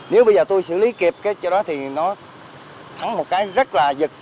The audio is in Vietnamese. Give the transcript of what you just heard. nếu bây giờ tôi xử lý kịp cái chỗ đó thì nó thắng một cái rất là dực